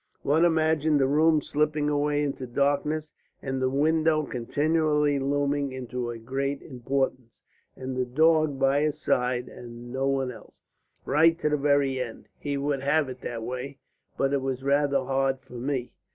One imagined the room slipping away into darkness, and the windows continually looming into a greater importance, and the dog by his side and no one else, right to the very end. He would have it that way, but it was rather hard for me."